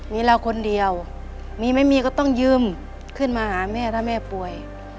มีเราคนเดียวมีไม่มีก็ต้องยืมขึ้นมาหาแม่ถ้าแม่ป่วย